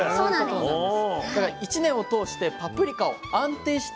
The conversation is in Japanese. そうなんです。